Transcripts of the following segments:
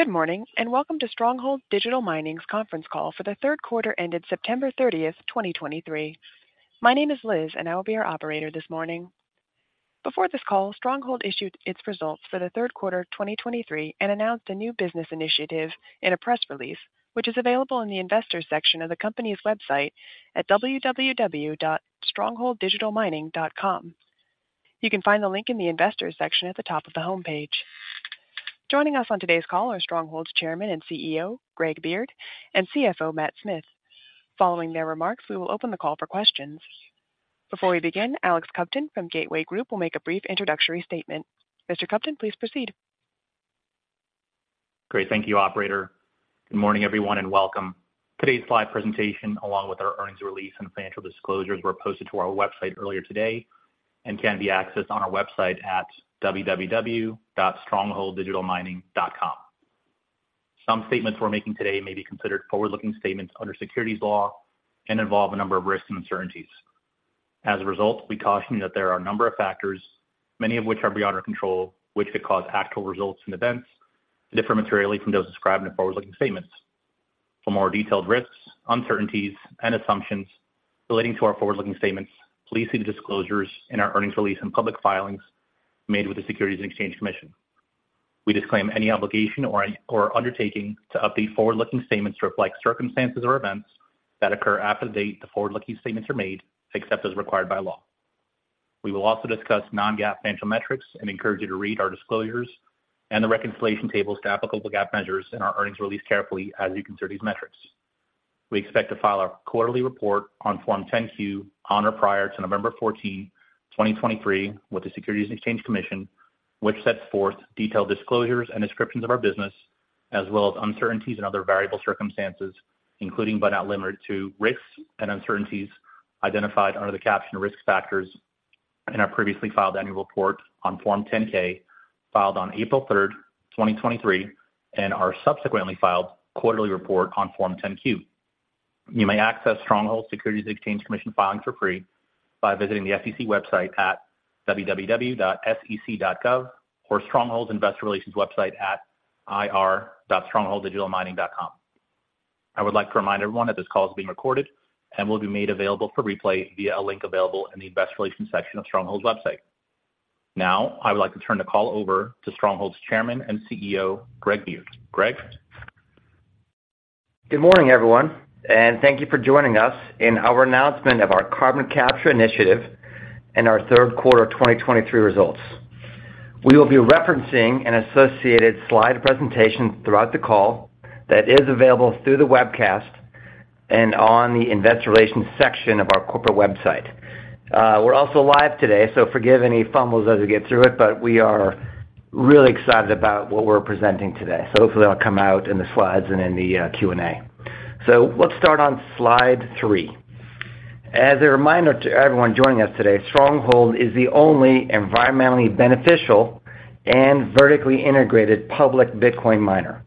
Good morning, and welcome to Stronghold Digital Mining's Conference Call for the Q3 ended September 30, 2023. My name is Liz, and I will be your operator this morning. Before this call, Stronghold issued it's results for the Q3 of 2023 and announced a new business initiative in a press release, which is available in the Investors section of the company's website at www.strongholddigitalmining.com. You can find the link in the Investors section at the top of the homepage. Joining us on today's call are Stronghold's Chairman and CEO, Greg Beard, and CFO, Matt Smith. Following their remarks, we will open the call for questions. Before we begin, Alex Kovtun from Gateway Group will make a brief introductory statement. Mr. Kovtun, please proceed. Great. Thank you, operator. Good morning, everyone, and welcome. Today's live presentation, along with our earnings release and financial disclosures, were posted to our website earlier today and can be accessed on our website at www.strongholddigitalmining.com. Some statements we're making today may be considered forward-looking statements under securities law and involve a number of risks and uncertainties. As a result, we caution you that there are a number of factors, many of which are beyond our control, which could cause actual results and events to differ materially from those described in the forward-looking statements. For more detailed risks, uncertainties, and assumptions relating to our forward-looking statements, please see the disclosures in our earnings release and public filings made with the Securities and Exchange Commission. We disclaim any obligation or undertaking to update forward-looking statements to reflect circumstances or events that occur after the date the forward-looking statements are made, except as required by law. We will also discuss non-GAAP financial metrics and encourage you to read our disclosures and the reconciliation tables to applicable GAAP measures in our earnings release carefully as we consider these metrics. We expect to file our quarterly report on Form 10-Q on or prior to November 14, 2023, with the Securities and Exchange Commission, which sets forth detailed disclosures and descriptions of our business, as well as uncertainties and other variable circumstances, including, but not limited to, risks and uncertainties identified under the caption Risk Factors in our previously filed annual report on Form 10-K, filed on April 3, 2023, and our subsequently filed quarterly report on Form 10-Q. You may access Stronghold's Securities and Exchange Commission filings for free by visiting the SEC website at www.sec.gov or Stronghold Investor Relations website at ir.strongholddigitalmining.com. I would like to remind everyone that this call is being recorded and will be made available for replay via a link available in the Investor Relations section of Stronghold's website. Now, I would like to turn the call over to Stronghold's Chairman and CEO, Greg Beard. Greg? Good morning, everyone, and thank you for joining us in our announcement of our carbon capture initiative and our Q3 of 2023 results. We will be referencing an associated slide presentation throughout the call that is available through the webcast and on the Investor Relations section of our corporate website. We're also live today, so forgive any fumbles as we get through it, but we are really excited about what we're presenting today. So hopefully, that'll come out in the slides and in the Q&A. So let's start on slide 3. As a reminder to everyone joining us today, Stronghold is the only environmentally beneficial and vertically integrated public Bitcoin miner.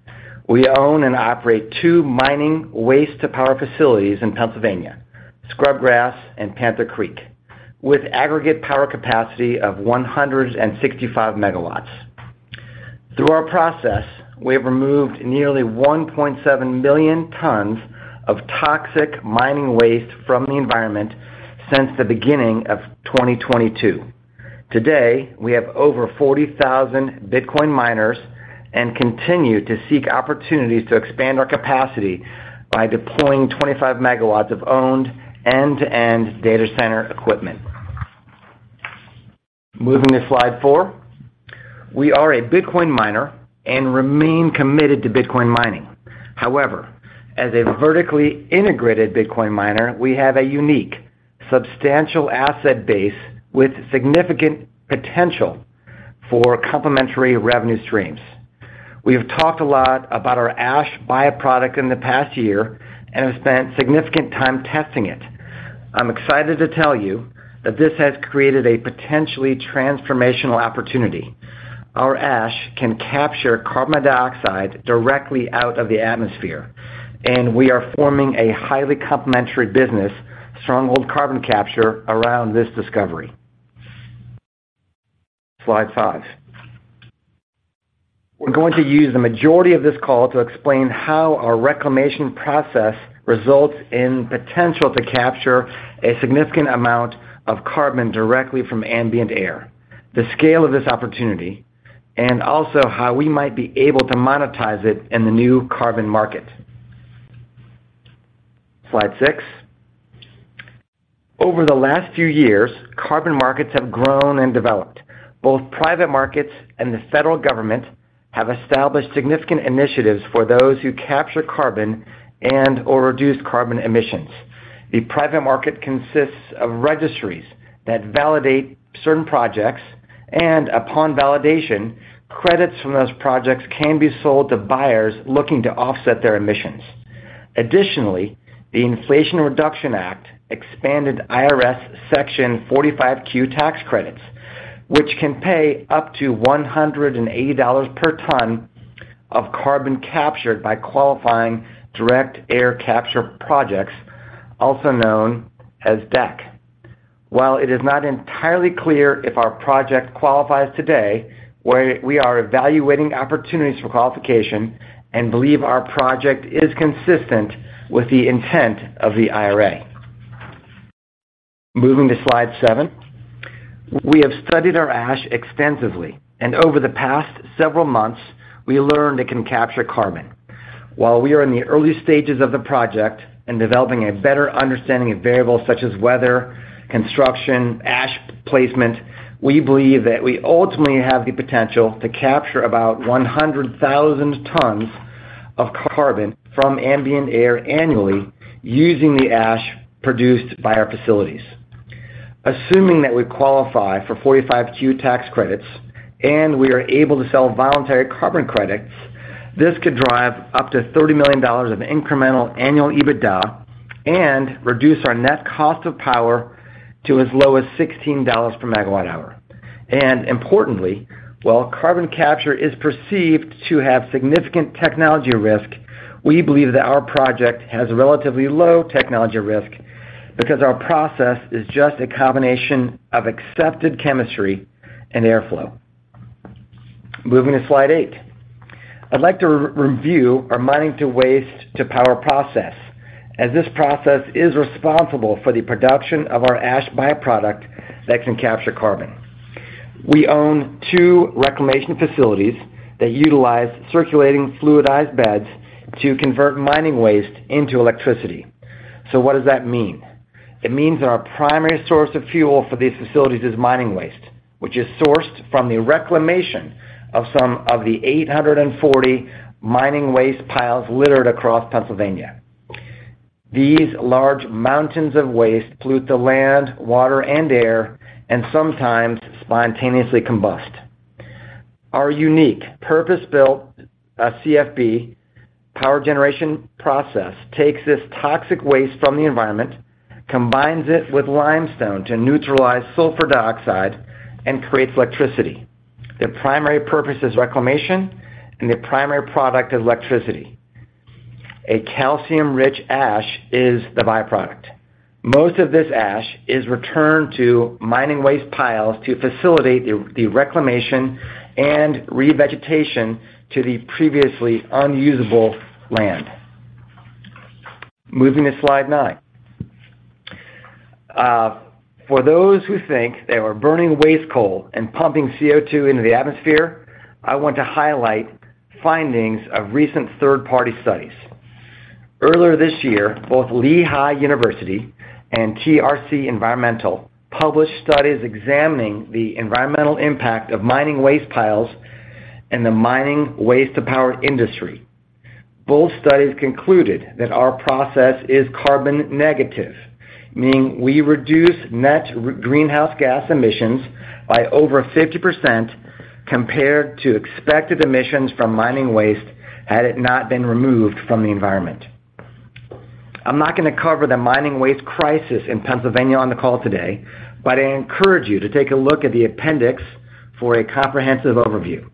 We own and operate two mining waste-to-power facilities in Pennsylvania, Scrubgrass and Panther Creek, with aggregate power capacity of 165 MW. Through our process, we have removed nearly 1.7 million tons of toxic mining waste from the environment since the beginning of 2022. Today, we have over 40,000 Bitcoin miners and continue to seek opportunities to expand our capacity by deploying 25 MW of owned end-to-end data center equipment. Moving to slide 4. We are a Bitcoin miner and remain committed to Bitcoin mining. However, as a vertically integrated Bitcoin miner, we have a unique, substantial asset base with significant potential for complementary revenue streams. We have talked a lot about our ash byproduct in the past year and have spent significant time testing it. I'm excited to tell you that this has created a potentially transformational opportunity. Our ash can capture carbon dioxide directly out of the atmosphere, and we are forming a highly complementary business, Stronghold Carbon Capture, around this discovery. Slide 5. We're going to use the majority of this call to explain how our reclamation process results in potential to capture a significant amount of carbon directly from ambient air, the scale of this opportunity, and also how we might be able to monetize it in the new carbon market. Slide 6. Over the last few years, carbon markets have grown and developed. Both private markets and the federal government have established significant initiatives for those who capture carbon and/or reduce carbon emissions. The private market consists of registries that validate certain projects, and upon validation, credits from those projects can be sold to buyers looking to offset their emissions. Additionally, the Inflation Reduction Act expanded IRS Section 45Q tax credits, which can pay up to $180 per ton of carbon captured by qualifying direct air capture projects, also known as DAC. While it is not entirely clear if our project qualifies today, we are evaluating opportunities for qualification and believe our project is consistent with the intent of the IRA. Moving to slide 7. We have studied our ash extensively, and over the past several months, we learned it can capture carbon. While we are in the early stages of the project and developing a better understanding of variables such as weather, construction, ash placement, we believe that we ultimately have the potential to capture about 100,000 tons of carbon from ambient air annually using the ash produced by our facilities. Assuming that we qualify for 45Q tax credits and we are able to sell voluntary carbon credits, this could drive up to $30 million of incremental annual EBITDA and reduce our net cost of power to as low as $16 per MWh. Importantly, while carbon capture is perceived to have significant technology risk, we believe that our project has a relatively low technology risk because our process is just a combination of accepted chemistry and airflow. Moving to slide 8. I'd like to re-review our mining waste-to-power process, as this process is responsible for the production of our ash byproduct that can capture carbon. We own two reclamation facilities that utilize circulating fluidized beds to convert mining waste into electricity. So what does that mean? It means that our primary source of fuel for these facilities is mining waste, which is sourced from the reclamation of some of the 840 mining waste piles littered across Pennsylvania. These large mountains of waste pollute the land, water, and air, and sometimes spontaneously combust. Our unique, purpose-built CFB power generation process takes this toxic waste from the environment, combines it with limestone to neutralize sulfur dioxide, and creates electricity. The primary purpose is reclamation, and the primary product is electricity. A calcium-rich ash is the byproduct. Most of this ash is returned to mining waste piles to facilitate the reclamation and revegetation to the previously unusable land. Moving to slide nine. For those who think that we're burning waste coal and pumping CO2 into the atmosphere, I want to highlight findings of recent third-party studies. Earlier this year, both Lehigh University and TRC Environmental published studies examining the environmental impact of mining waste piles and the mining waste-to-power industry. Both studies concluded that our process is carbon negative, meaning we reduce net re-- greenhouse gas emissions by over 50% compared to expected emissions from mining waste, had it not been removed from the environment. I'm not going to cover the mining waste crisis in Pennsylvania on the call today, but I encourage you to take a look at the appendix for a comprehensive overview.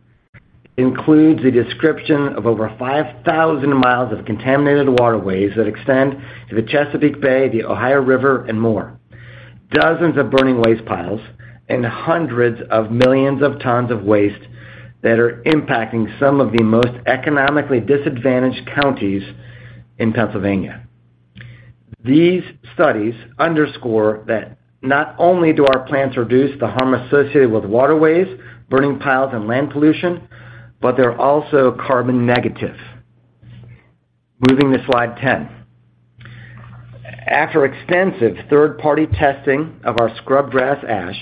Includes a description of over 5,000 miles of contaminated waterways that extend to the Chesapeake Bay, the Ohio River, and more, dozens of burning waste piles, and hundreds of millions of tons of waste that are impacting some of the most economically disadvantaged counties in Pennsylvania. These studies underscore that not only do our plants reduce the harm associated with waterways, burning piles, and land pollution, but they're also carbon negative. Moving to slide 10. After extensive third-party testing of our Scrubgrass ash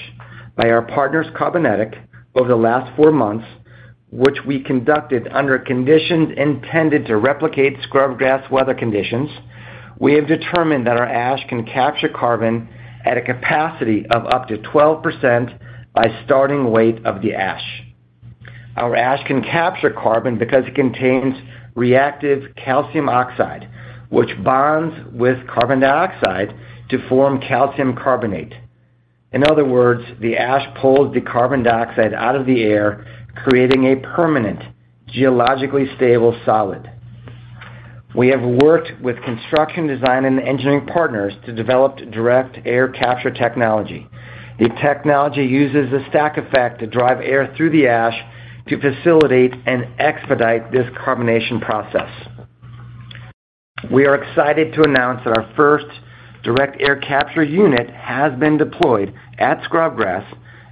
by our partners, Karbonetiq, over the last four months, which we conducted under conditions intended to replicate Scrubgrass weather conditions, we have determined that our ash can capture carbon at a capacity of up to 12% by starting weight of the ash. Our ash can capture carbon because it contains reactive calcium oxide, which bonds with carbon dioxide to form calcium carbonate. In other words, the ash pulls the carbon dioxide out of the air, creating a permanent, geologically stable solid. We have worked with construction design and engineering partners to develop direct air capture technology. The technology uses a stack effect to drive air through the ash to facilitate and expedite this carbonation process. We are excited to announce that our first direct air capture unit has been deployed at Scrubgrass,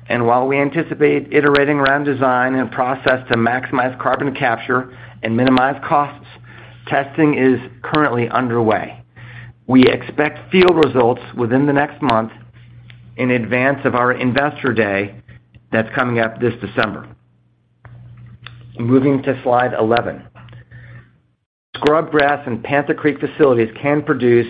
and while we anticipate iterating around design and process to maximize carbon capture and minimize costs, testing is currently underway. We expect field results within the next month in advance of our Investor Day that's coming up this December. Moving to slide 11. Scrubgrass and Panther Creek facilities can produce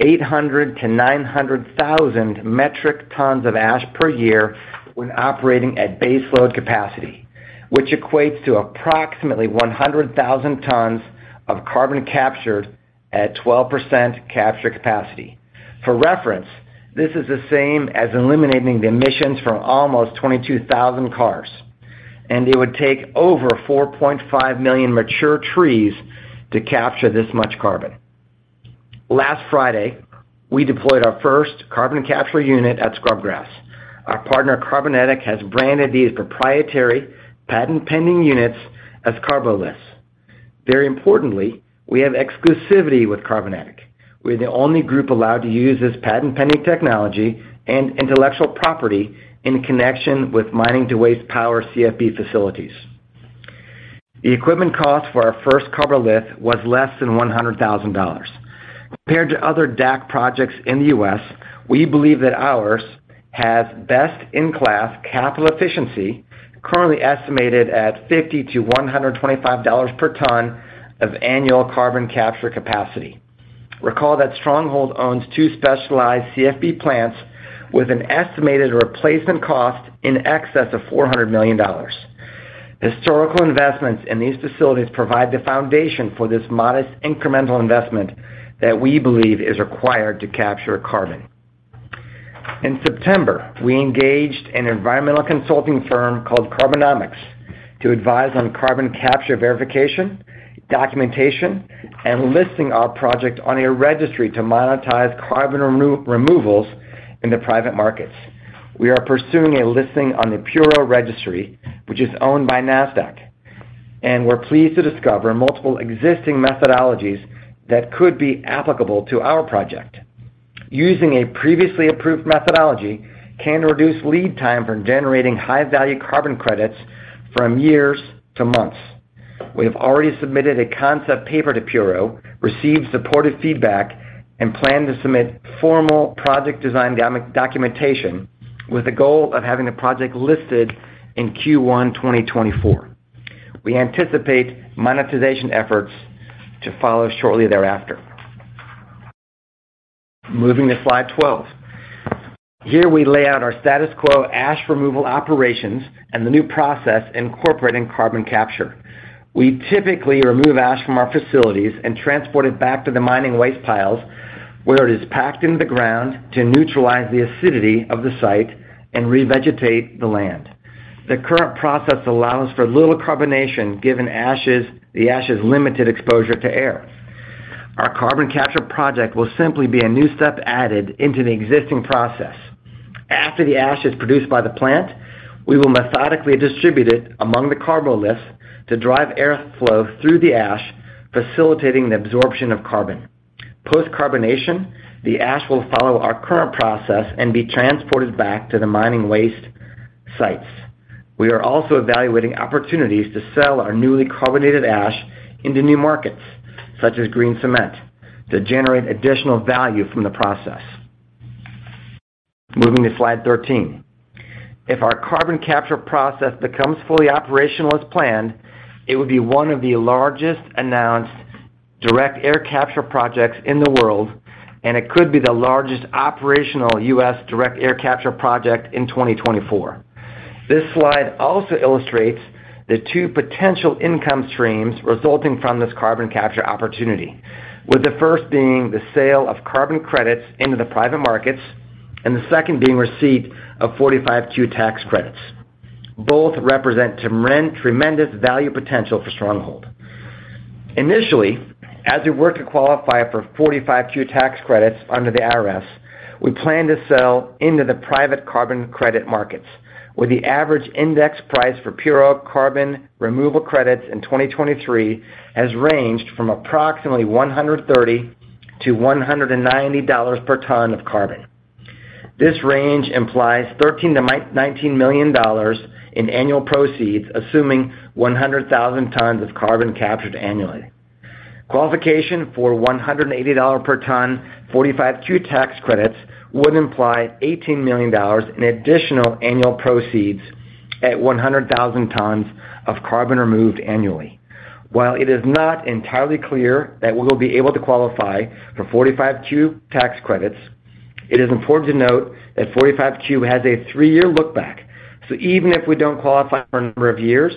800-900,000 metric tons of ash per year when operating at base load capacity, which equates to approximately 100,000 tons of carbon captured at 12% capture capacity. For reference, this is the same as eliminating the emissions from almost 22,000 cars... and it would take over 4.5 million mature trees to capture this much carbon. Last Friday, we deployed our first carbon capture unit at Scrubgrass. Our partner, Karbonetiq, has branded these proprietary patent-pending units as Carboliths. Very importantly, we have exclusivity with Karbonetiq. We're the only group allowed to use this patent-pending technology and intellectual property in connection with mining waste-to-power CFB facilities. The equipment cost for our first Carbolith was less than $100,000. Compared to other DAC projects in the U.S., we believe that ours has best-in-class capital efficiency, currently estimated at $50-$125 per ton of annual carbon capture capacity. Recall that Stronghold owns two specialized CFB plants with an estimated replacement cost in excess of $400 million. Historical investments in these facilities provide the foundation for this modest incremental investment that we believe is required to capture carbon. In September, we engaged an environmental consulting firm called Carbonomics to advise on carbon capture verification, documentation, and listing our project on a registry to monetize carbon removals in the private markets. We are pursuing a listing on the Puro registry, which is owned by Nasdaq, and we're pleased to discover multiple existing methodologies that could be applicable to our project. Using a previously approved methodology can reduce lead time from generating high-value carbon credits from years to months. We have already submitted a concept paper to Puro, received supportive feedback, and plan to submit formal project design documentation with the goal of having the project listed in Q1, 2024. We anticipate monetization efforts to follow shortly thereafter. Moving to slide 12. Here, we lay out our status quo ash removal operations and the new process incorporating carbon capture. We typically remove ash from our facilities and transport it back to the mining waste piles, where it is packed into the ground to neutralize the acidity of the site and revegetate the land. The current process allows for little carbonation, given ashes, the ash's limited exposure to air. Our carbon capture project will simply be a new step added into the existing process. After the ash is produced by the plant, we will methodically distribute it among the Carboliths to drive air flow through the ash, facilitating the absorption of carbon. Post-carbonation, the ash will follow our current process and be transported back to the mining waste sites. We are also evaluating opportunities to sell our newly carbonated ash into new markets, such as green cement, to generate additional value from the process. Moving to slide 13. If our carbon capture process becomes fully operational as planned, it would be one of the largest announced direct air capture projects in the world, and it could be the largest operational US direct air capture project in 2024. This slide also illustrates the two potential income streams resulting from this carbon capture opportunity, with the first being the sale of carbon credits into the private markets and the second being receipt of 45Q tax credits. Both represent tremendous value potential for Stronghold. Initially, as we work to qualify for 45Q tax credits under the IRS, we plan to sell into the private carbon credit markets, where the average index price for Puro carbon removal credits in 2023 has ranged from approximately $130-$190 per ton of carbon. This range implies $13 million-$19 million in annual proceeds, assuming 100,000 tons of carbon captured annually. Qualification for $180 per ton 45Q tax credits would imply $18 million in additional annual proceeds at 100,000 tons of carbon removed annually. While it is not entirely clear that we will be able to qualify for 45Q tax credits, it is important to note that 45Q has a 3-year look-back. So even if we don't qualify for a number of years,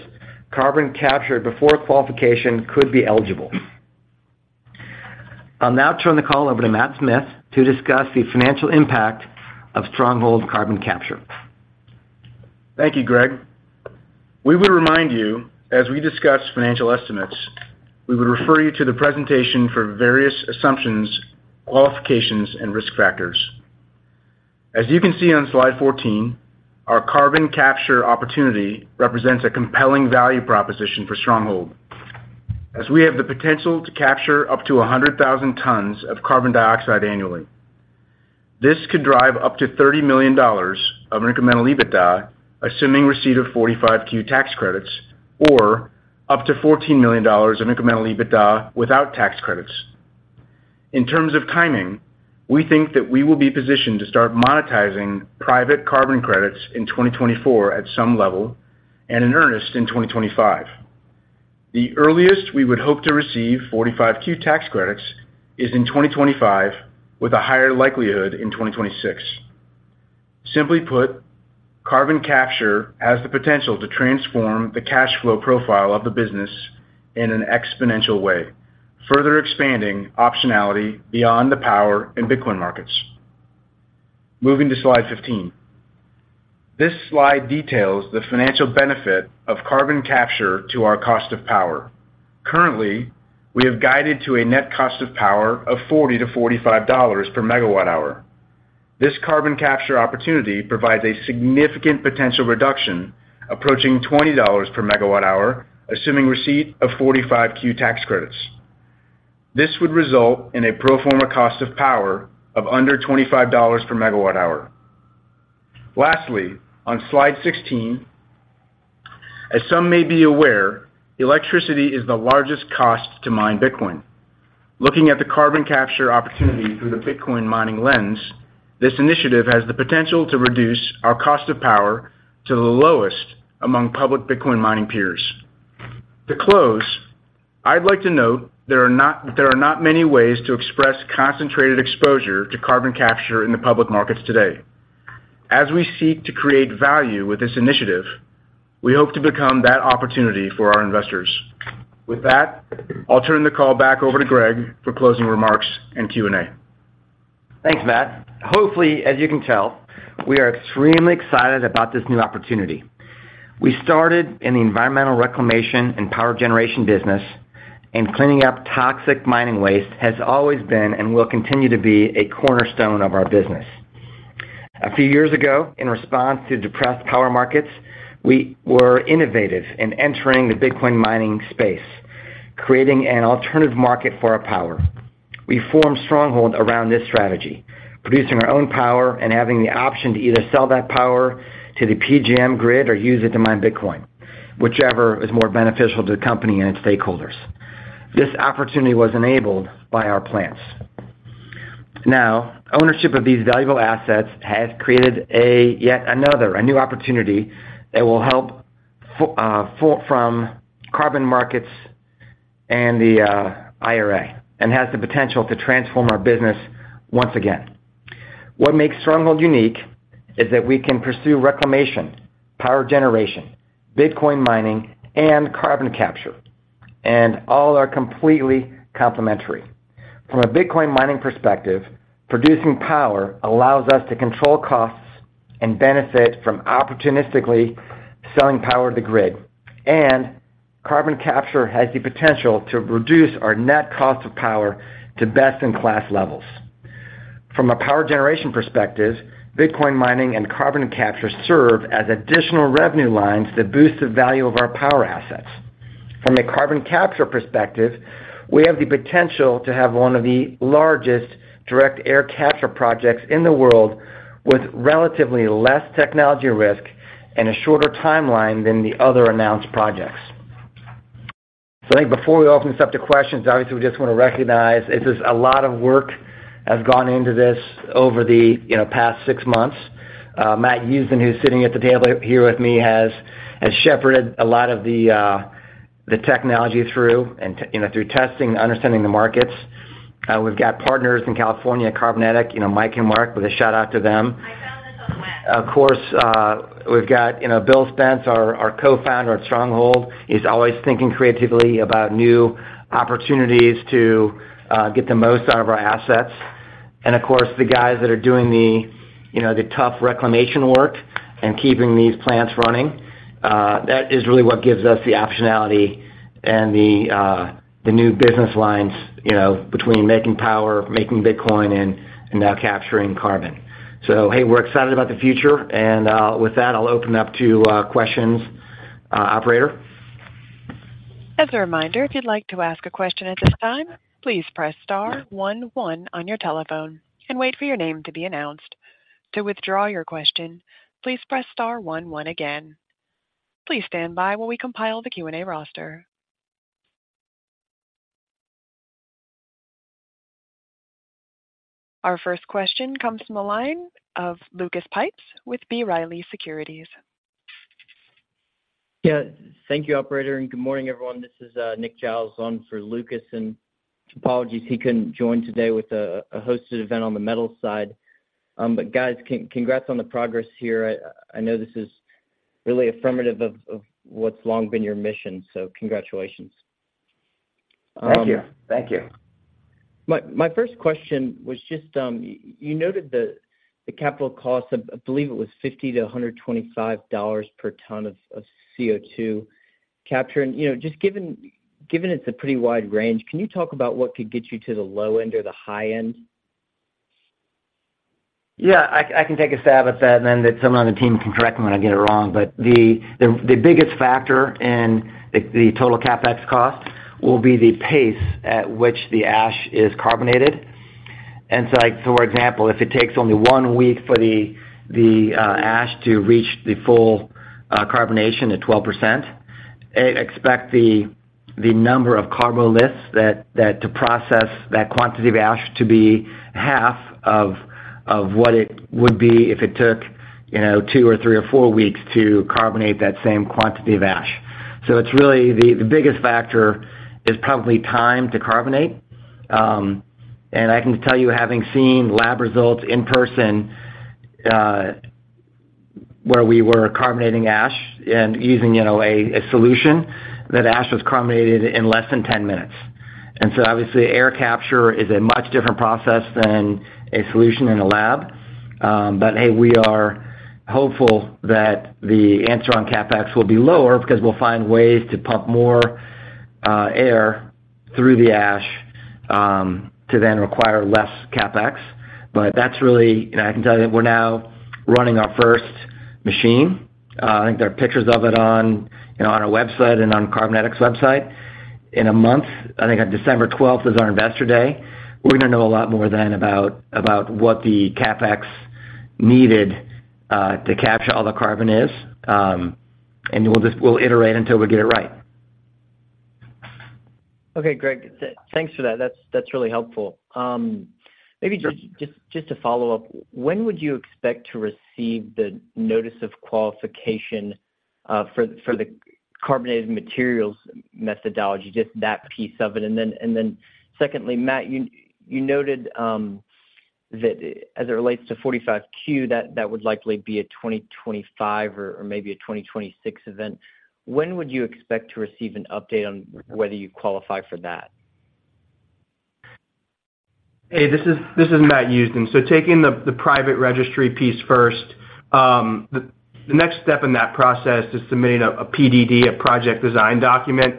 carbon captured before qualification could be eligible. I'll now turn the call over to Matt Smith to discuss the financial impact of Stronghold Carbon Capture. Thank you, Greg. We would remind you, as we discuss financial estimates, we would refer you to the presentation for various assumptions, qualifications, and risk factors. As you can see on Slide 14, our carbon capture opportunity represents a compelling value proposition for Stronghold, as we have the potential to capture up to 100,000 tons of carbon dioxide annually. This could drive up to $30 million of incremental EBITDA, assuming receipt of 45Q tax credits, or up to $14 million of incremental EBITDA without tax credits. In terms of timing, we think that we will be positioned to start monetizing private carbon credits in 2024 at some level and in earnest in 2025. The earliest we would hope to receive 45Q tax credits is in 2025, with a higher likelihood in 2026. Simply put, carbon capture has the potential to transform the cash flow profile of the business in an exponential way, further expanding optionality beyond the power and Bitcoin markets.... Moving to slide 15. This slide details the financial benefit of carbon capture to our cost of power. Currently, we have guided to a net cost of power of $40-$45 per MWh. This carbon capture opportunity provides a significant potential reduction, approaching $20 per MWh, assuming receipt of 45Q tax credits. This would result in a pro forma cost of power of under $25 per MWh. Lastly, on slide 16, as some may be aware, electricity is the largest cost to mine Bitcoin. Looking at the carbon capture opportunity through the Bitcoin mining lens, this initiative has the potential to reduce our cost of power to the lowest among public Bitcoin mining peers. To close, I'd like to note there are not many ways to express concentrated exposure to carbon capture in the public markets today. As we seek to create value with this initiative, we hope to become that opportunity for our investors. With that, I'll turn the call back over to Greg for closing remarks and Q&A. Thanks, Matt. Hopefully, as you can tell, we are extremely excited about this new opportunity. We started in the environmental reclamation and power generation business, and cleaning up toxic mining waste has always been and will continue to be a cornerstone of our business. A few years ago, in response to depressed power markets, we were innovative in entering the Bitcoin mining space, creating an alternative market for our power. We formed Stronghold around this strategy, producing our own power and having the option to either sell that power to the PJM grid or use it to mine Bitcoin, whichever is more beneficial to the company and its stakeholders. This opportunity was enabled by our plants. Now, ownership of these valuable assets has created yet another, a new opportunity that will help from carbon markets and the IRA, and has the potential to transform our business once again. What makes Stronghold unique is that we can pursue reclamation, power generation, Bitcoin mining, and carbon capture, and all are completely complementary. From a Bitcoin mining perspective, producing power allows us to control costs and benefit from opportunistically selling power to the grid, and carbon capture has the potential to reduce our net cost of power to best-in-class levels. From a power generation perspective, Bitcoin mining and carbon capture serve as additional revenue lines that boost the value of our power assets. From a carbon capture perspective, we have the potential to have one of the largest direct air capture projects in the world, with relatively less technology risk and a shorter timeline than the other announced projects. So I think before we open this up to questions, obviously, we just want to recognize this is a lot of work has gone into this over the, you know, past six months. Matt Yusen, who's sitting at the table here with me, has shepherded a lot of the, the technology through, and you know, through testing and understanding the markets. We've got partners in California, Karbonetiq, you know, Mike and Mark, with a shout-out to them. Of course, we've got, you know, Bill Spence, our co-founder at Stronghold. He's always thinking creatively about new opportunities to get the most out of our assets. Of course, the guys that are doing the, you know, the tough reclamation work and keeping these plants running, that is really what gives us the optionality and the, the new business lines, you know, between making power, making Bitcoin, and now capturing carbon. So, hey, we're excited about the future, and with that, I'll open up to questions. Operator? As a reminder, if you'd like to ask a question at this time, please press star one one on your telephone and wait for your name to be announced. To withdraw your question, please press star one one again. Please stand by while we compile the Q&A roster. Our first question comes from the line of Lucas Pipes with B. Riley Securities. Yeah. Thank you, operator, and good morning, everyone. This is, Nick Giles on for Lucas, and apologies he couldn't join today with a hosted event on the metals side. But guys, congrats on the progress here. I know this is really affirmative of what's long been your mission, so congratulations. Thank you. Thank you. My first question was just, you noted the capital cost of, I believe it was $50-$125 per ton of CO2 capture. You know, just given it's a pretty wide range, can you talk about what could get you to the low end or the high end? Yeah, I can take a stab at that, and then someone on the team can correct me when I get it wrong. But the biggest factor in the total CapEx cost will be the pace at which the ash is carbonated. And so, like, for example, if it takes only one week for the ash to reach the full carbonation at 12%, expect the number of carbon lifts to process that quantity of ash to be half of what it would be if it took, you know, two or three or four weeks to carbonate that same quantity of ash. So it's really the biggest factor is probably time to carbonate. And I can tell you, having seen lab results in person... where we were carbonating ash and using, you know, a solution, that ash was carbonated in less than 10 minutes. And so obviously, air capture is a much different process than a solution in a lab. But hey, we are hopeful that the answer on CapEx will be lower because we'll find ways to pump more air through the ash to then require less CapEx. But that's really. And I can tell you that we're now running our first machine. I think there are pictures of it on, you know, on our website and on Karbonetiq's website. In a month, I think on December twelfth is our investor day, we're gonna know a lot more then about what the CapEx needed to capture all the carbon is. And we'll just we'll iterate until we get it right. Okay, Greg, thanks for that. That's really helpful. Maybe just to follow up, when would you expect to receive the notice of qualification for the carbonated materials methodology, just that piece of it? And then secondly, Matt, you noted that as it relates to 45Q, that would likely be a 2025 or maybe a 2026 event. When would you expect to receive an update on whether you qualify for that? Hey, this is Matt Yusen. So taking the private registry piece first, the next step in that process is submitting a PDD, a Project Design Document,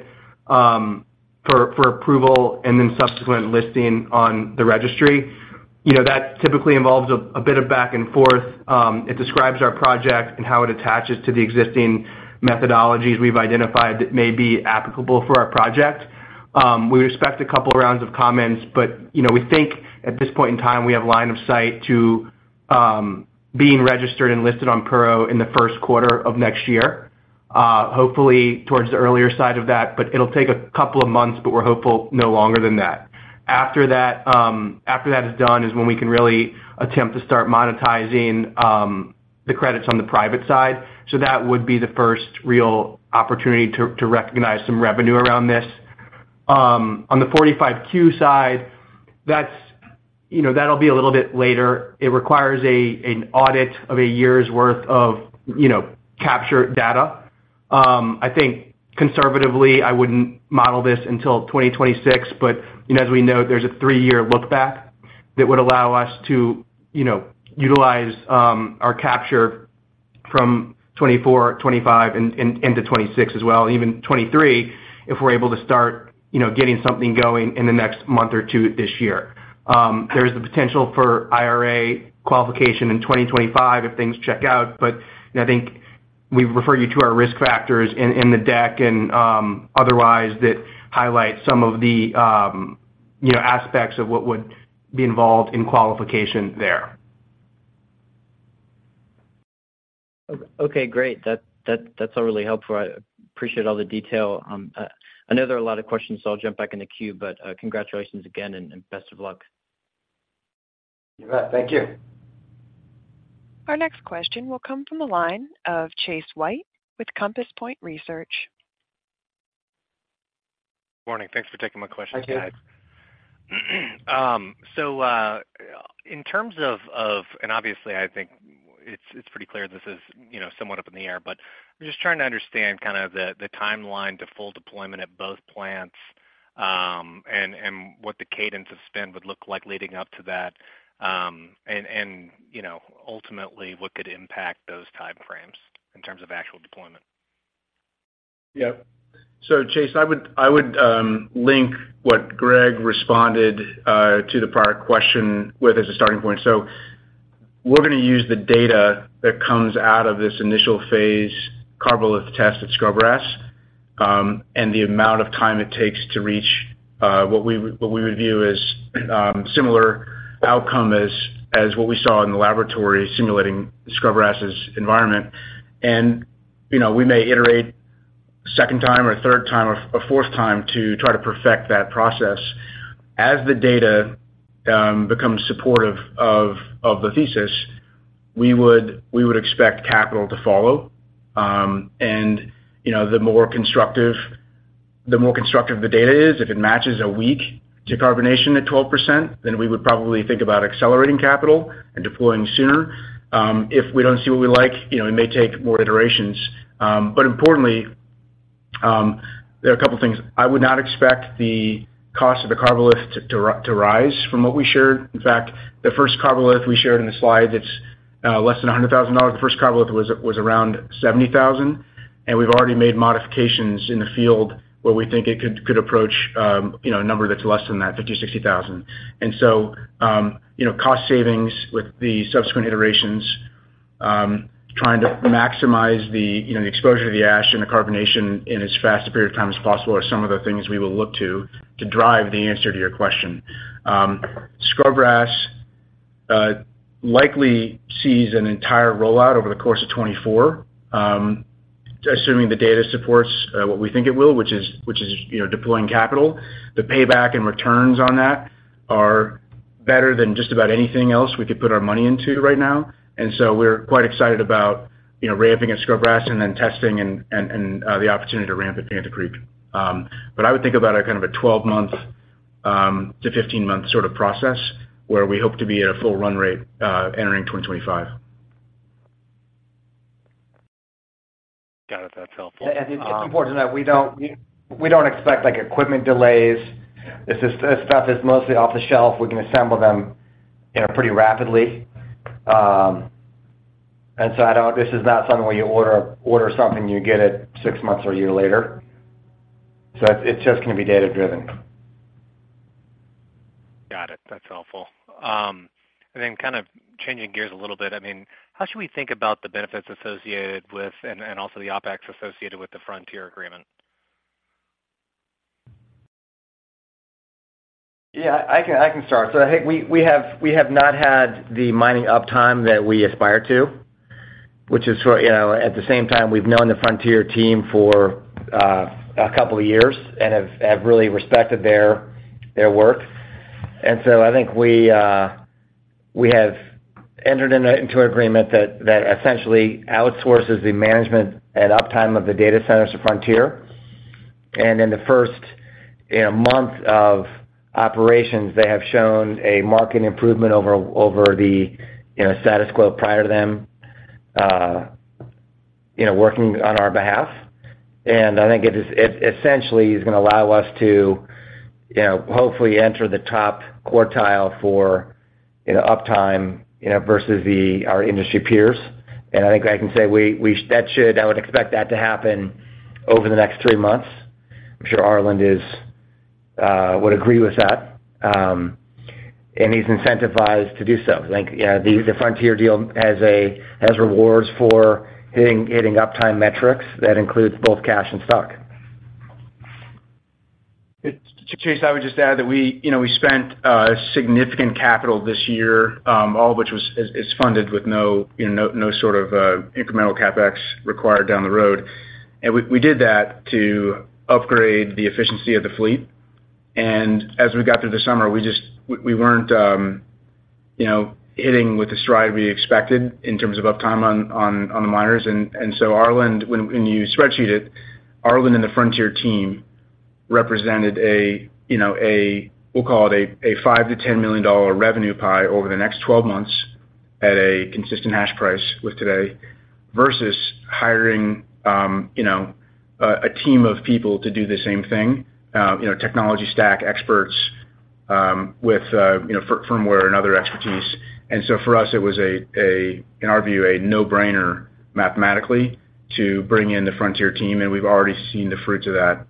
for approval and then subsequent listing on the registry. You know, that typically involves a bit of back and forth. It describes our project and how it attaches to the existing methodologies we've identified that may be applicable for our project. We expect a couple of rounds of comments, but you know, we think at this point in time, we have line of sight to being registered and listed on Puro in the Q1 of next year. Hopefully towards the earlier side of that, but it'll take a couple of months, but we're hopeful, no longer than that. After that, after that is done, is when we can really attempt to start monetizing the credits on the private side. So that would be the first real opportunity to, to recognize some revenue around this. On the 45Q side, that's, you know, that'll be a little bit later. It requires an audit of a year's worth of, you know, capture data. I think conservatively, I wouldn't model this until 2026, but, you know, as we know, there's a 3-year look back that would allow us to, you know, utilize our capture from 2024, 2025 and into 2026 as well, even 2023, if we're able to start, you know, getting something going in the next month or two this year. There's the potential for IRA qualification in 2025 if things check out, but, and I think we refer you to our risk factors in the deck and, otherwise that highlight some of the, you know, aspects of what would be involved in qualification there. Okay, great. That's all really helpful. I appreciate all the detail. I know there are a lot of questions, so I'll jump back in the queue, but congratulations again, and best of luck. You bet. Thank you. Our next question will come from the line of Chase White with Compass Point Research. Morning. Thanks for taking my question, guys. Thank you. So, in terms of—and obviously, I think it's pretty clear this is, you know, somewhat up in the air, but I'm just trying to understand kind of the timeline to full deployment at both plants, and, you know, ultimately, what could impact those time frames in terms of actual deployment? Yeah. So, Chase, I would link what Greg responded to the prior question with as a starting point. So we're gonna use the data that comes out of this initial phase, Carbolith test at Scrubgrass, and the amount of time it takes to reach what we would view as similar outcome as what we saw in the laboratory simulating Scrubgrass's environment. And, you know, we may iterate a second time or a third time or a fourth time to try to perfect that process. As the data becomes supportive of the thesis, we would expect capital to follow. And, you know, the more constructive the data is, if it matches a week to carbonation at 12%, then we would probably think about accelerating capital and deploying sooner. If we don't see what we like, you know, it may take more iterations. But importantly, there are a couple of things. I would not expect the cost of the Carbolith to rise from what we shared. In fact, the first Carbolith we shared in the slide, that's less than $100,000. The first Carbolith was around $70,000, and we've already made modifications in the field where we think it could approach, you know, a number that's less than that, $50,000-$60,000. And so, you know, cost savings with the subsequent iterations, trying to maximize the, you know, the exposure of the ash and the carbonation in as fast a period of time as possible are some of the things we will look to drive the answer to your question. Scrubgrass likely sees an entire rollout over the course of 2024, assuming the data supports what we think it will, which is, you know, deploying capital. The payback and returns on that are better than just about anything else we could put our money into right now. And so we're quite excited about, you know, ramping at Scrubgrass and then testing and the opportunity to ramp at Panther Creek. But I would think about a kind of a 12-month to 15-month sort of process, where we hope to be at a full run rate entering 2025. Got it. That's helpful. It's important that we don't expect, like, equipment delays. This is, this stuff is mostly off the shelf. We can assemble them, you know, pretty rapidly. And so I don't, this is not something where you order something, you get it six months or a year later. So it's just gonna be data driven. Got it. That's helpful. And then kind of changing gears a little bit, I mean, how should we think about the benefits associated with, and, and also the OpEx associated with the Frontier agreement? Yeah, I can start. So I think we have not had the mining uptime that we aspire to, which is, you know, at the same time, we've known the Frontier team for a couple of years and have really respected their work. And so I think we have entered into an agreement that essentially outsources the management and uptime of the data centers to Frontier. And in the first, you know, month of operations, they have shown a marked improvement over the, you know, status quo prior to them, you know, working on our behalf. And I think it essentially is gonna allow us to, you know, hopefully enter the top quartile for, you know, uptime, you know, versus our industry peers. I think I can say that I would expect that to happen over the next three months. I'm sure Arland would agree with that, and he's incentivized to do so. Like, you know, the Frontier deal has rewards for hitting uptime metrics. That includes both cash and stock. Chase, I would just add that we, you know, we spent significant capital this year, all of which was, is, is funded with no, you know, no, no sort of incremental CapEx required down the road. And we, we did that to upgrade the efficiency of the fleet. And as we got through the summer, we just—we, we weren't, you know, hitting with the stride we expected in terms of uptime on, on, on the miners. And so Arland, when you spreadsheet it, Arland and the Frontier team represented a, you know, a, we'll call it a $5-$10 million revenue pie over the next 12 months at a consistent hash price with today, versus hiring, you know, a team of people to do the same thing, you know, technology stack experts, with, you know, firmware and other expertise. And so for us, it was a, in our view, a no-brainer mathematically to bring in the Frontier team, and we've already seen the fruits of that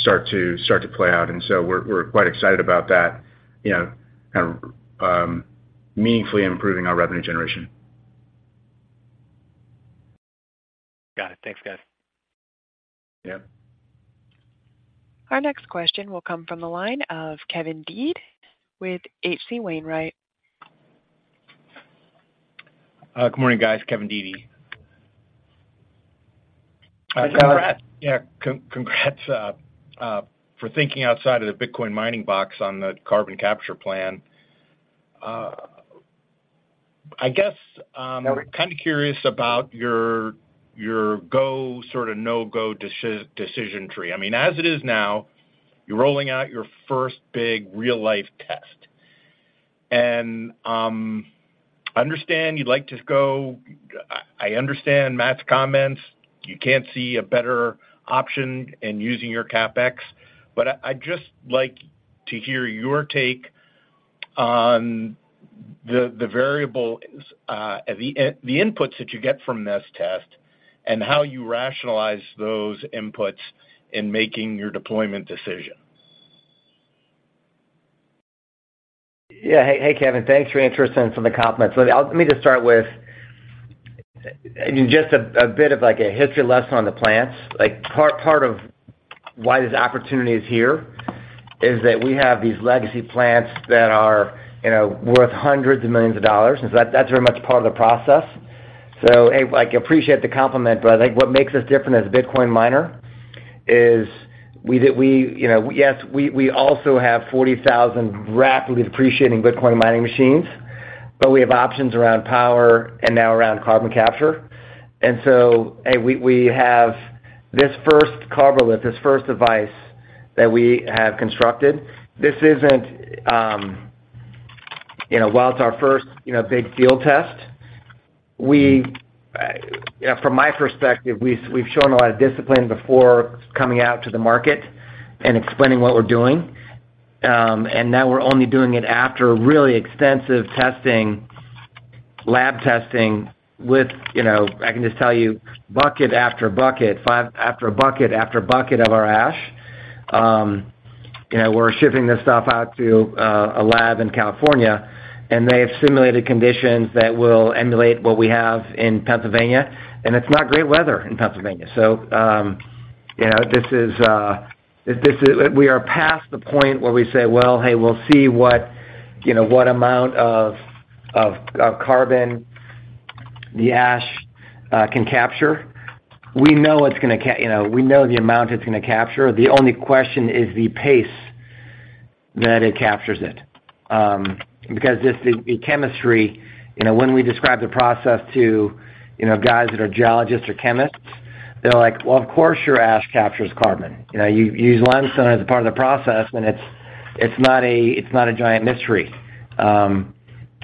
start to play out. And so we're quite excited about that, you know, meaningfully improving our revenue generation. Got it. Thanks, guys. Yeah. Our next question will come from the line of Kevin Dede with H.C. Wainwright. Good morning, guys. Kevin Dede. Hi, Kevin. Yeah, congrats for thinking outside of the Bitcoin mining box on the carbon capture plan. I guess I'm kind of curious about your go, sort of, no-go decision tree. I mean, as it is now, you're rolling out your first big real-life test. And I understand you'd like to go... I understand Matt's comments. You can't see a better option in using your CapEx, but I'd just like to hear your take on the variables, the inputs that you get from this test and how you rationalize those inputs in making your deployment decision. Yeah. Hey, hey, Kevin. Thanks for your interest and for the compliments. Let me, let me just start with just a, a bit of like a history lesson on the plants. Like, part, part of why this opportunity is here is that we have these legacy plants that are, you know, worth $100 of millions, and so that, that's very much part of the process. So, hey, I appreciate the compliment, but I think what makes us different as a Bitcoin miner is we did, we, you know, yes, we, we also have 40,000 rapidly depreciating Bitcoin mining machines, but we have options around power and now around carbon capture. And so, hey, we, we have this first Carbolith, this first device that we have constructed. This isn't, you know, while it's our first, you know, big field test, we, from my perspective, we've, we've shown a lot of discipline before coming out to the market and explaining what we're doing. And now we're only doing it after really extensive testing, lab testing, with, you know, I can just tell you, bucket after bucket, after bucket, after bucket of our ash. You know, we're shipping this stuff out to, a lab in California, and they have simulated conditions that will emulate what we have in Pennsylvania, and it's not great weather in Pennsylvania. So, you know, this is we are past the point where we say, "Well, hey, we'll see what, you know, what amount of carbon the ash can capture." We know it's gonna capture. You know, we know the amount it's gonna capture. The only question is the pace that it captures it. Because just the chemistry, you know, when we describe the process to, you know, guys that are geologists or chemists, they're like: Well, of course, your ash captures carbon. You know, you use limestone as a part of the process, and it's not a giant mystery.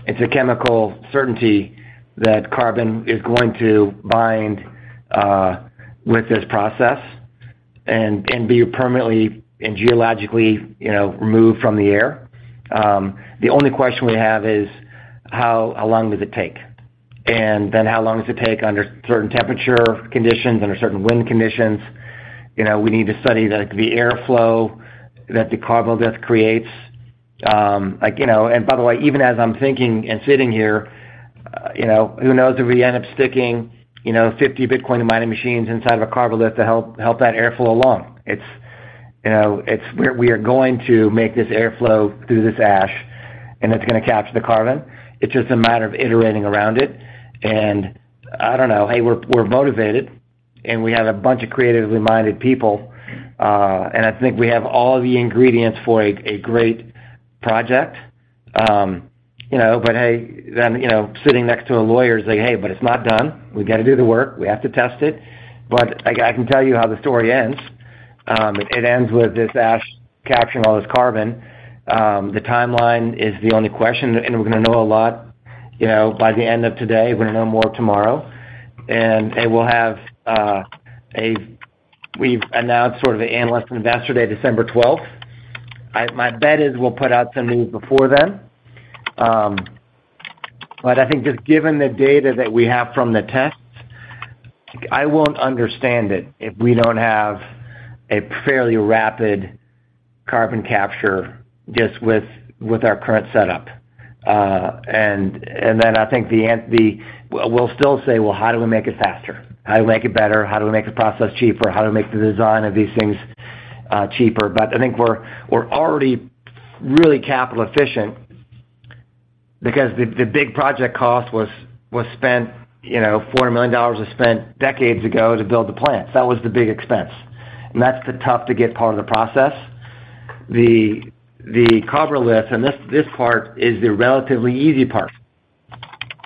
It's a chemical certainty that carbon is going to bind with this process and be permanently and geologically, you know, removed from the air. The only question we have is, how long does it take? Then how long does it take under certain temperature conditions, under certain wind conditions? You know, we need to study the airflow that the Carbolith creates. Like, you know, and by the way, even as I'm thinking and sitting here, you know, who knows, if we end up sticking 50 Bitcoin mining machines inside of a Carbolith to help that airflow along. It's, you know, it's we are going to make this airflow through this ash, and it's gonna capture the carbon. It's just a matter of iterating around it. And I don't know, hey, we're motivated, and we have a bunch of creatively minded people, and I think we have all the ingredients for a great project. You know, but hey, then, you know, sitting next to a lawyer is like, "Hey, but it's not done. We got to do the work. We have to test it. But I can tell you how the story ends. It ends with this ash capturing all this carbon. The timeline is the only question, and we're gonna know a lot, you know, by the end of today. We're gonna know more tomorrow. And we'll have—we've announced sort of the analyst investor day, December twelfth. My bet is we'll put out some news before then. But I think just given the data that we have from the tests, I won't understand it if we don't have a fairly rapid carbon capture just with our current setup. And then I think we'll still say, "Well, how do we make it faster? How do we make it better? How do we make the process cheaper? How do we make the design of these things cheaper?" But I think we're already really capital efficient because the big project cost was spent, you know, $400 million was spent decades ago to build the plants. That was the big expense, and that's the tough-to-get part of the process. The carbon lift, and this part is the relatively easy part,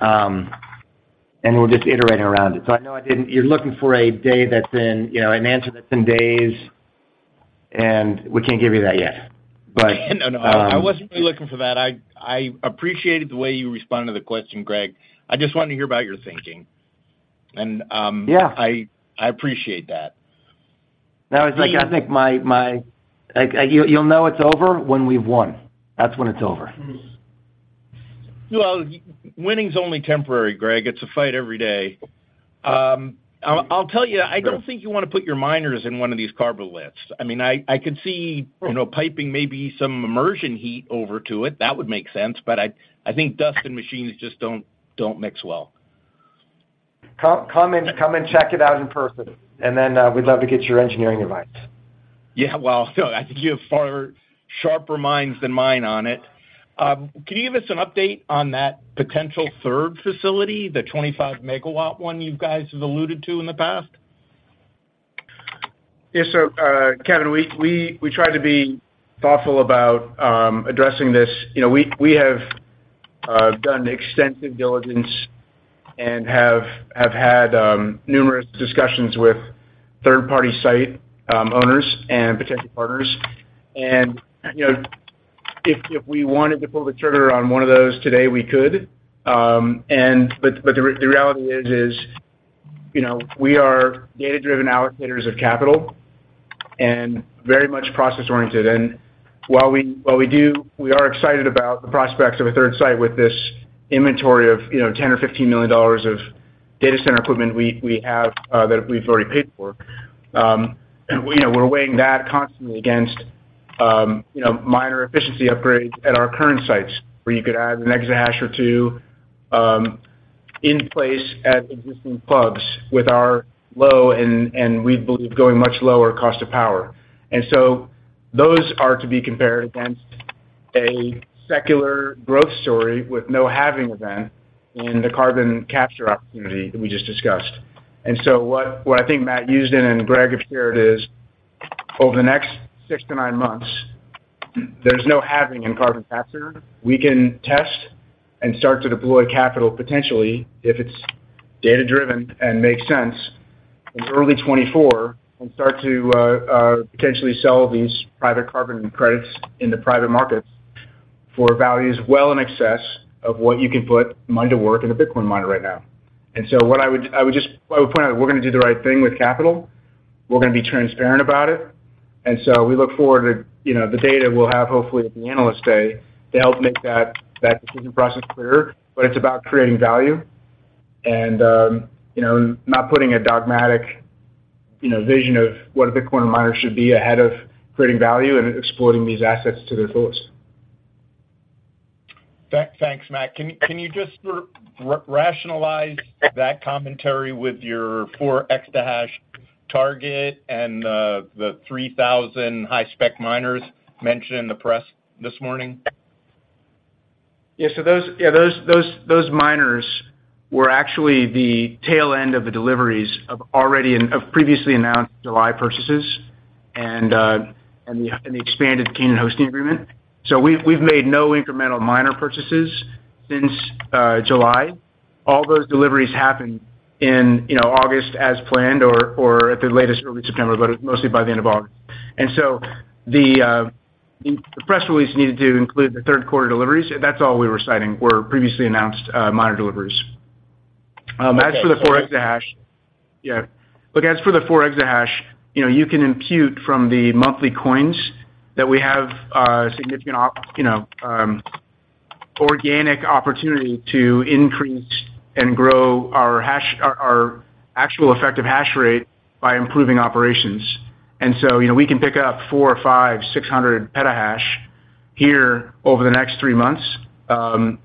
and we're just iterating around it. So I know I didn't—you're looking for a day that's in, you know, an answer that's in days, and we can't give you that yet, but- No, no, I wasn't really looking for that. I appreciated the way you responded to the question, Greg. I just wanted to hear about your thinking. And Yeah. I appreciate that. Now, it's like, I think-- Like, you'll know it's over when we've won. That's when it's over. Well, winning's only temporary, Greg. It's a fight every day. I'll tell you, I don't think you want to put your miners in one of these carbon lifts. I mean, I could see, you know, piping maybe some immersion heat over to it. That would make sense, but I think dust and machines just don't mix well. Come and check it out in person, and then we'd love to get your engineering advice. Yeah, well, I think you have far sharper minds than mine on it. Can you give us an update on that potential third facility, the 25 MW one you guys have alluded to in the past? Yes, so, Kevin, we try to be thoughtful about addressing this. You know, we have done extensive diligence and have had numerous discussions with third-party site owners and potential partners. And, you know, if we wanted to pull the trigger on one of those today, we could. But the reality is, you know, we are data-driven allocators of capital and very much process-oriented. And while we, while we do, we are excited about the prospects of a third site with this inventory of, you know, $10-$15 million of data center equipment we have that we've already paid for. And, you know, we're weighing that constantly against, you know, minor efficiency upgrades at our current sites, where you could add an exahash or 2, in place at existing hubs with our low and we believe, going much lower cost of power. And so those are to be compared against a secular growth story with no halving event in the carbon capture opportunity that we just discussed. And so what I think Matt Smith and Greg have shared is, over the next 6-9 months, there's no halving in carbon capture. We can test and start to deploy capital, potentially, if it's data-driven and makes sense, in early 2024 and start to potentially sell these private carbon credits in the private markets for values well in excess of what you can put money to work in a Bitcoin miner right now. And so what I would just point out, we're gonna do the right thing with capital. We're gonna be transparent about it, and so we look forward to, you know, the data we'll have, hopefully, at the Analyst Day to help make that decision process clearer. But it's about creating value and, you know, not putting a dogmatic, you know, vision of what a Bitcoin miner should be ahead of creating value and exploring these assets to their fullest. Thanks, Matt. Can you just rationalize that commentary with your 4 exahash target and the 3,000 high-spec miners mentioned in the press this morning? Yeah, so those miners were actually the tail end of the deliveries of previously announced July purchases and the expanded Canaan hosting agreement. So we've made no incremental miner purchases since July. All those deliveries happened in, you know, August as planned or at the latest early September, but mostly by the end of August. And so the press release needed to include the Q3 deliveries. That's all we were citing, were previously announced miner deliveries. As for the 4 exahash, yeah. Look, as for the 4 exahash, you know, you can impute from the monthly coins that we have significant, you know, organic opportunity to increase and grow our hash, our actual effective hash rate by improving operations. And so, you know, we can pick up 400, 500 or 600 petahash here over the next three months,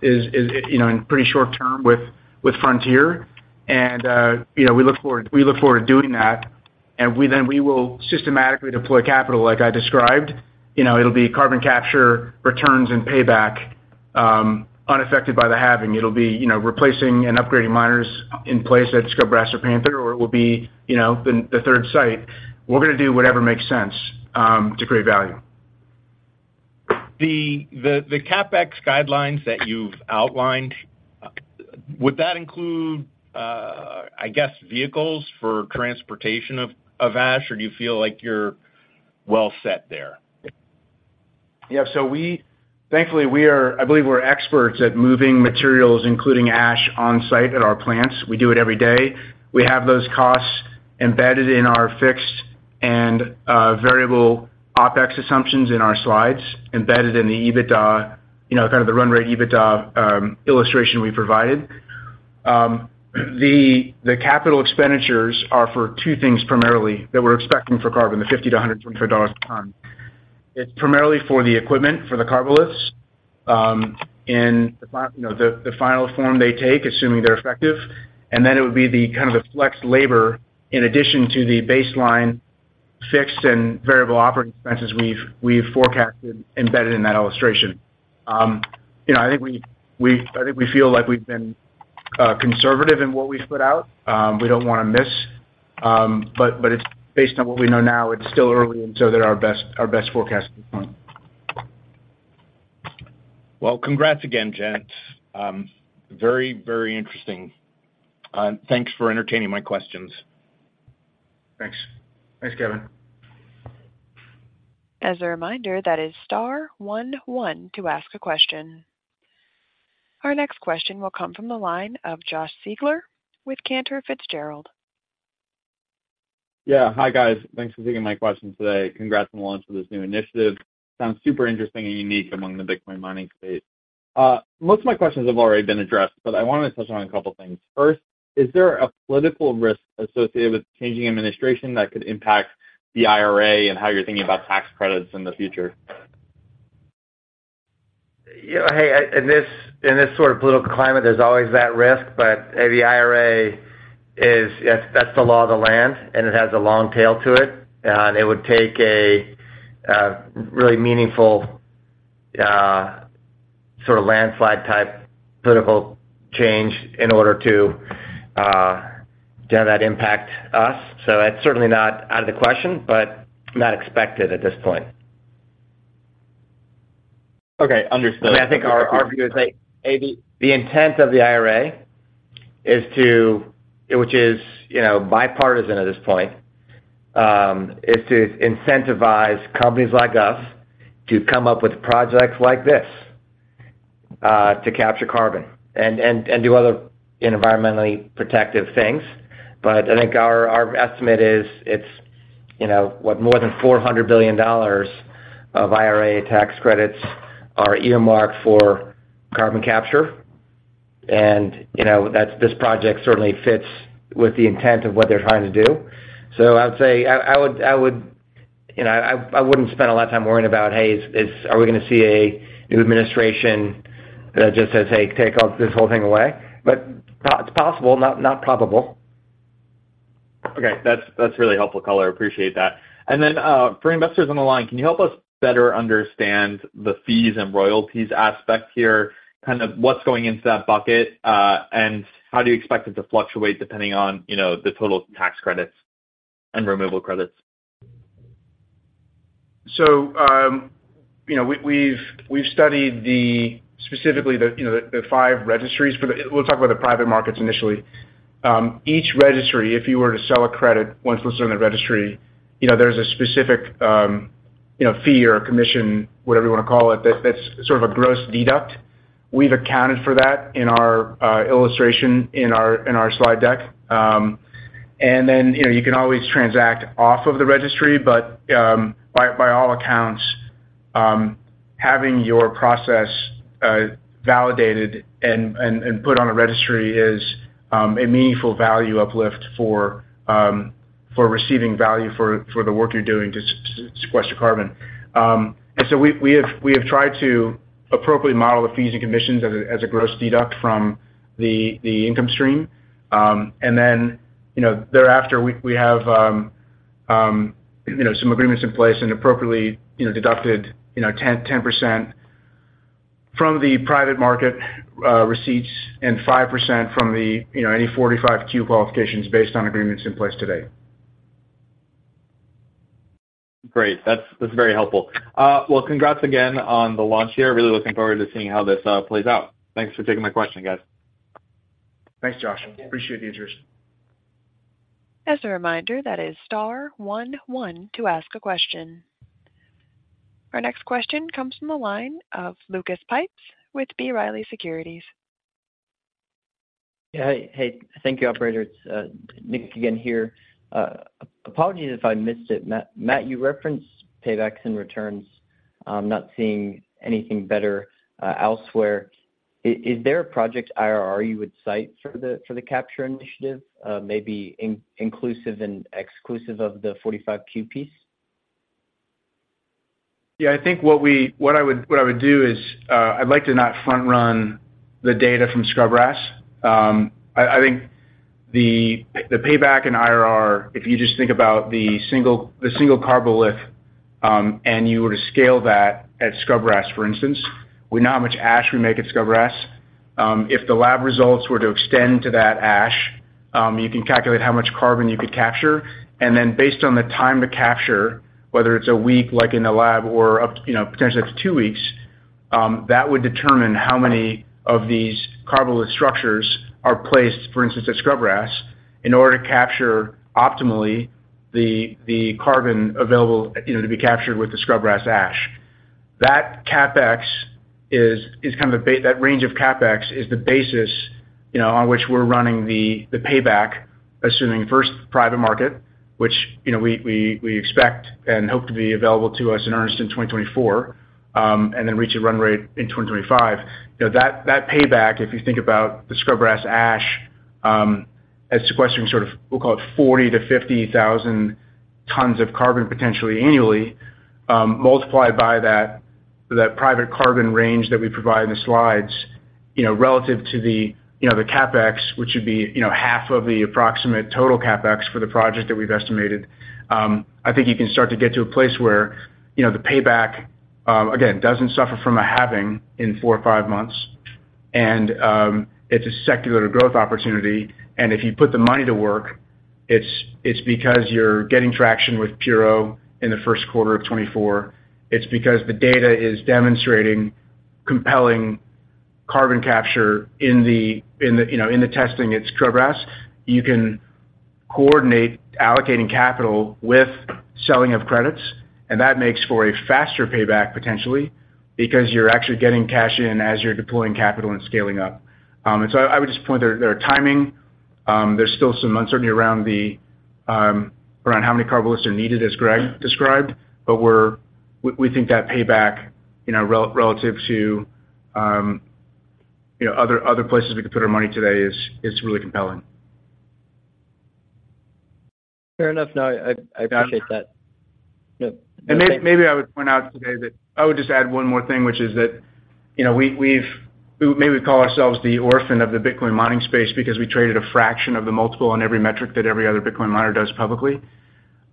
is you know in pretty short term with Frontier. And, you know, we look forward, we look forward to doing that, and we then we will systematically deploy capital like I described. You know, it'll be carbon capture, returns, and payback, unaffected by the halving. It'll be, you know, replacing and upgrading miners in place at Scrubgrass or Panther, or it will be, you know, the third site. We're gonna do whatever makes sense, to create value. The CapEx guidelines that you've outlined, would that include, I guess, vehicles for transportation of ash, or do you feel like you're well set there? Yeah, so we thankfully, we are I believe we're experts at moving materials, including ash, on site at our plants. We do it every day. We have those costs embedded in our fixed and variable OpEx assumptions in our slides, embedded in the EBITDA, you know, kind of the run rate EBITDA illustration we provided. The capital expenditures are for two things primarily, that we're expecting for carbon, the $50-$125 a ton. It's primarily for the equipment, for the Carboliths, you know, the final form they take, assuming they're effective, and then it would be the kind of the flex labor in addition to the baseline fixed and variable operating expenses we've forecasted embedded in that illustration. You know, I think we feel like we've been conservative in what we've put out. We don't want to miss, but it's based on what we know now. It's still early, and so they're our best forecast at this point. Well, congrats again, gents. Very, very interesting. Thanks for entertaining my questions. Thanks. Thanks, Kevin. As a reminder, that is star one one to ask a question. Our next question will come from the line of Josh Siegler with Cantor Fitzgerald. Yeah. Hi, guys. Thanks for taking my question today. Congrats on the launch of this new initiative. Sounds super interesting and unique among the Bitcoin mining space. Most of my questions have already been addressed, but I wanted to touch on a couple of things. First, is there a political risk associated with changing administration that could impact the IRA and how you're thinking about tax credits in the future? You know, hey, in this sort of political climate, there's always that risk, but the IRA is... Yes, that's the law of the land, and it has a long tail to it, and it would take a really meaningful sort of landslide-type political change in order to have that impact us. So that's certainly not out of the question, but not expected at this point. Okay, understood. I think our view is like, maybe the intent of the IRA is, which is, you know, bipartisan at this point, is to incentivize companies like us to come up with projects like this, to capture carbon and do other environmentally protective things. But I think our estimate is, it's, you know, what, more than $400 billion of IRA tax credits are earmarked for carbon capture. You know, that's, this project certainly fits with the intent of what they're trying to do. So I would say, I would, you know, I wouldn't spend a lot of time worrying about, hey, is, are we going to see a new administration that just says, "Hey, take all this whole thing away?" But it's possible, not probable. Okay. That's, that's really helpful color. I appreciate that. And then, for investors on the line, can you help us better understand the fees and royalties aspect here? Kind of what's going into that bucket, and how do you expect it to fluctuate depending on, you know, the total tax credits and removal credits? So, you know, we've studied specifically the, you know, the five registries for the... We'll talk about the private markets initially. Each registry, if you were to sell a credit, once listed in the registry, you know, there's a specific, you know, fee or commission, whatever you want to call it, that's sort of a gross deduct. We've accounted for that in our illustration in our slide deck. And then, you know, you can always transact off of the registry, but, by all accounts, having your process validated and put on a registry is a meaningful value uplift for receiving value for the work you're doing to sequester carbon. And so we have tried to appropriately model the fees and commissions as a gross deduct from the income stream. And then, you know, thereafter, we have some agreements in place and appropriately deducted 10% from the private market receipts and 5% from any 45Q qualifications based on agreements in place today. Great. That's, that's very helpful. Well, congrats again on the launch here. Really looking forward to seeing how this plays out. Thanks for taking my question, guys. Thanks, Josh. Appreciate you, Josh. As a reminder, that is star one one to ask a question. Our next question comes from the line of Lucas Pipes with B. Riley Securities. Yeah. Hey, thank you, operator. It's, Nick again here. Apologies if I missed it. Matt, Matt, you referenced paybacks and returns. I'm not seeing anything better, elsewhere. Is, is there a project IRR you would cite for the, for the capture initiative, maybe inclusive and exclusive of the 45Q piece? Yeah, I think what I would do is, I'd like to not front run the data from Scrubgrass. I think the payback and IRR, if you just think about the single Carbolith, and you were to scale that at Scrubgrass, for instance, we know how much ash we make at Scrubgrass. If the lab results were to extend to that ash, you can calculate how much carbon you could capture, and then based on the time to capture, whether it's a week, like in the lab or up, you know, potentially up to two weeks, that would determine how many of these Carbolith structures are placed, for instance, at Scrubgrass, in order to capture optimally the carbon available, you know, to be captured with the Scrubgrass ash. That range of CapEx is the basis, you know, on which we're running the payback, assuming first private market, which, you know, we expect and hope to be available to us in earnest in 2024, and then reach a run rate in 2025. You know, that payback, if you think about the Scrubgrass ash as sequestering sort of, we'll call it 40,000-50,000 tons of carbon, potentially annually, multiplied by that private carbon range that we provide in the slides, you know, relative to the CapEx, which would be, you know, half of the approximate total CapEx for the project that we've estimated. I think you can start to get to a place where, you know, the payback, again, doesn't suffer from a halving in four or five months, and it's a secular growth opportunity. And if you put the money to work, it's because you're getting traction with Puro in the Q1 of 2024. It's because the data is demonstrating compelling carbon capture in the, you know, in the testing at Scrubgrass. You can coordinate allocating capital with selling of credits, and that makes for a faster payback, potentially, because you're actually getting cash in as you're deploying capital and scaling up. And so I would just point there, there are timing. There's still some uncertainty around how many Carboliths are needed, as Greg described, but we think that payback, you know, relative to other places we could put our money today is really compelling. Fair enough. No, I appreciate that. Yep. Maybe I would point out today that I would just add one more thing, which is that, you know, we've maybe we call ourselves the orphan of the Bitcoin mining space because we traded a fraction of the multiple on every metric that every other Bitcoin miner does publicly.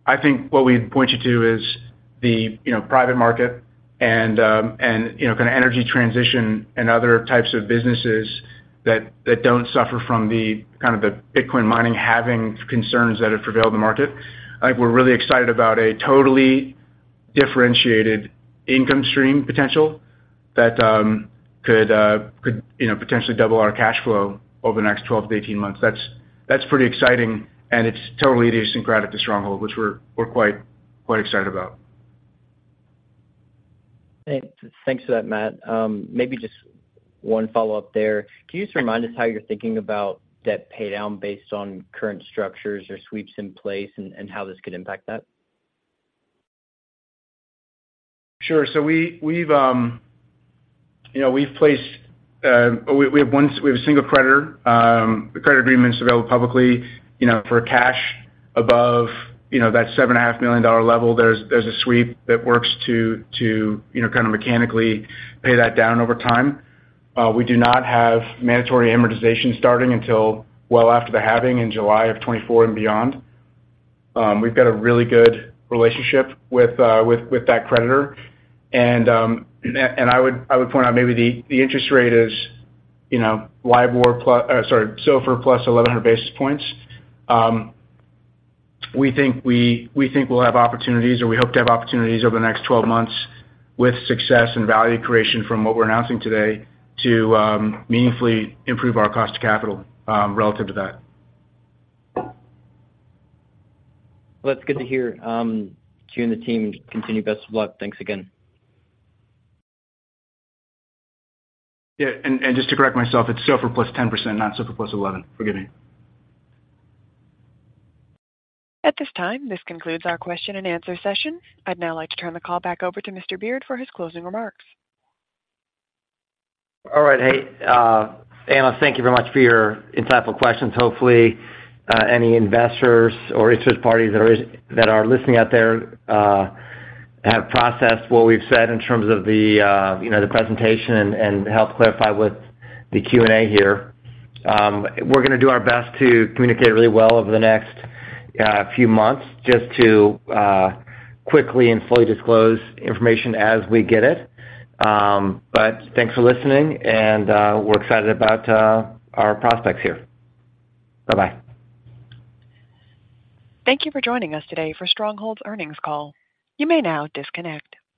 I think what we'd point you to is the, you know, private market and, you know, kind of energy transition and other types of businesses that don't suffer from the kind of the Bitcoin mining having concerns that have prevailed in the market. I think we're really excited about a totally differentiated income stream potential that could, you know, potentially double our cash flow over the next 12-18 months. That's pretty exciting, and it's totally idiosyncratic to Stronghold, which we're quite excited about. Thanks. Thanks for that, Matt. Maybe just one follow-up there. Can you just remind us how you're thinking about debt paydown based on current structures or sweeps in place and, and how this could impact that? Sure. So we have one—we have a single creditor. The credit agreement is available publicly, you know, for cash above, you know, that $7.5 million level. There's a sweep that works to, you know, kind of mechanically pay that down over time. We do not have mandatory amortization starting until well after the halving in July of 2024 and beyond. We've got a really good relationship with, with that creditor. And, and I would, I would point out maybe the, the interest rate is, you know, LIBOR plus—sorry, SOFR plus 1,100 basis points. We think we'll have opportunities, or we hope to have opportunities over the next 12 months with success and value creation from what we're announcing today to meaningfully improve our cost of capital, relative to that. Well, that's good to hear. To you and the team, continue. Best of luck. Thanks again. Yeah, and, and just to correct myself, it's SOFR plus 10%, not SOFR plus 11%. Forgive me. At this time, this concludes our question and answer session. I'd now like to turn the call back over to Mr. Beard for his closing remarks. All right. Hey, Anna, thank you very much for your insightful questions. Hopefully, any investors or interest parties that are, that are listening out there, have processed what we've said in terms of the, you know, the presentation and, and helped clarify with the Q&A here. We're gonna do our best to communicate really well over the next few months, just to quickly and fully disclose information as we get it. But thanks for listening, and we're excited about our prospects here. Bye-bye. Thank you for joining us today for Stronghold's earnings call. You may now disconnect.